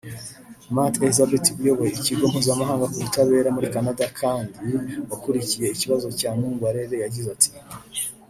Matt Elisabeth uyoboye Ikigo mpuzamahanga ku butabera muri Canada kandi wakurikiye ikibazo cya Mungwarere yagize ati